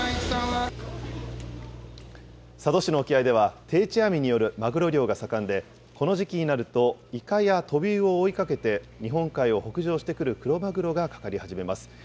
佐渡市の沖合では、定置網によるマグロ漁が盛んで、この時期になると、イカやトビウオを追いかけて、日本海を北上してくるクロマグロがかかり始めます。